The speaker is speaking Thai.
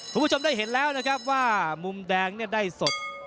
คุณผู้ชมได้เห็นแล้วนะครับว่ามุมแดงเนี่ยได้สด